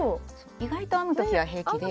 意外と編む時は平気で。